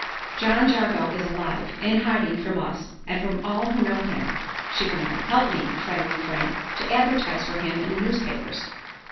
"John Jago is alive, in hiding from us and from all who know him," she went on. "Help me, friend Lefrank, to advertise for him in the newspapers."